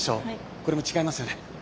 これも違いますよね。